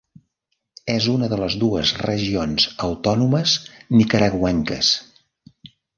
És una de les dues regions autònomes nicaragüenques.